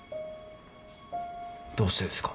どうしてですか？